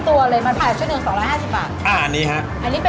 ขอบคุณครับ